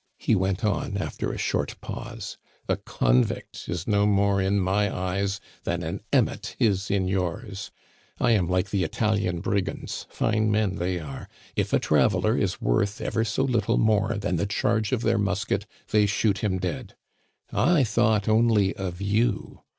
he went on, after a short pause. "A convict is no more in my eyes than an emmet is in yours. I am like the Italian brigands fine men they are! If a traveler is worth ever so little more than the charge of their musket, they shoot him dead. "I thought only of you.